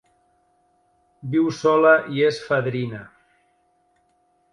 Viu sola i és fadrina.